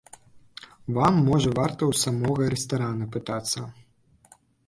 Вам, можа, варта ў самога рэстарана пытацца.